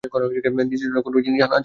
নিজের জন্য কোনো জিনিস আনা যায় না।